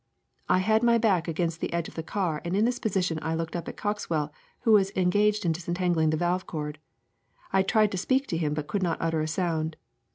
''' I had my back against the edge of the car, and in this position I looked up at Coxwell, who was en gaged in disentangling the valve cord. I tried to speak to him, but could not utter a sound.